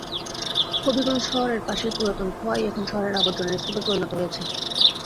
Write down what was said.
হবিগঞ্জ শহরের পাশের পুরাতন খোয়াই এখন শহরের আবর্জনার স্তূপে পরিণত হয়েছে।